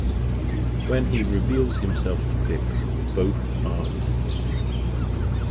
When he reveals himself to Pip, both are disappointed.